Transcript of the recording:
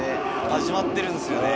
始まってるんすよね。